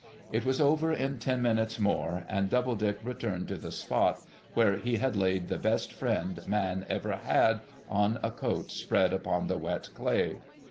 It was over in ten minutes more, and Doubledick returned to the spot where he had laid the best friend man ever had on a coat spread upon the wet clay.